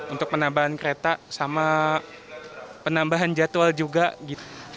untuk penambahan kereta sama penambahan jadwal juga gitu